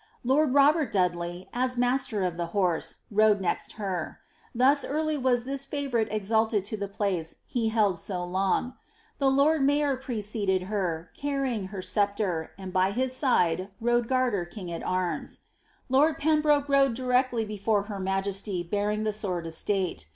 Lord Robert Dudley, as master of the horse, rode next her ; thus early was this favourite exalted to the place he held so long. The lord mayor preceded her, carrying her sceptre, and by his side rode Garter king at arms. Lord Pembroke rode directly Wfore her majesty, bearing the sword of state.